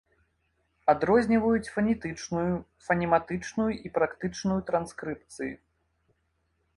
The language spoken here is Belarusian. Адрозніваюць фанетычную, фанематычную і практычную транскрыпцыі.